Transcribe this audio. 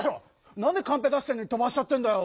なんでカンペ出してんのにとばしちゃってんだよ！